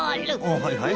あはいはい。